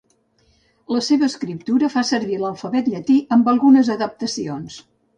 La seva escriptura fa servir l'alfabet llatí amb algunes adaptacions.